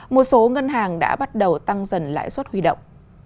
một số ngân hàng đã bắt đầu tăng dần lãi suất huy động